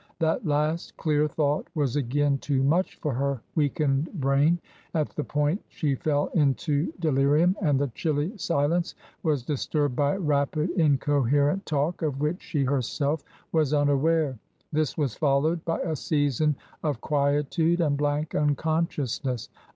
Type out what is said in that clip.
That last clear thought was again too much for her weakened brain. At the point she fell into delirium, and the chilly silence was disturbed by rapid incoherent talk of which she herself was unaware. This was followed by a season of quietude and blank unconsciousness.